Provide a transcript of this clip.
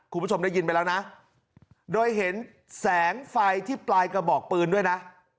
คุณผู้ชมได้ยินไปแล้วนะโดยเห็นแสงไฟที่ปลายกระบอกปืนด้วยนะ